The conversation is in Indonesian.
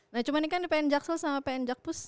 nah cuma ini kan di pn jaksel sama pn jakpus